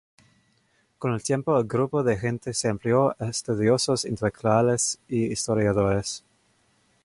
Con el tiempo el grupo de gente se amplió a estudiosos, intelectuales e historiadores.